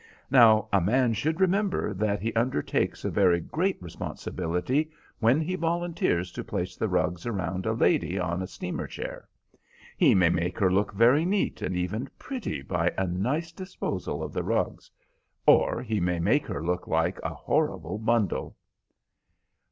Now, a man should remember that he undertakes a very great responsibility when he volunteers to place the rugs around a lady on a steamer chair. He may make her look very neat and even pretty by a nice disposal of the rugs, or he may make her look like a horrible bundle."